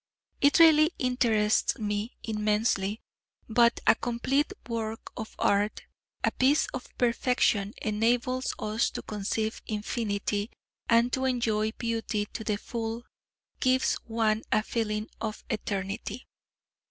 It really interests me immensely, but a complete work of art, a piece of perfection enables us to conceive infinity; and to enjoy beauty to the full{J} gives one a feeling of eternity....